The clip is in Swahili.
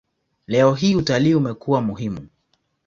Leo hii utalii umekuwa muhimu.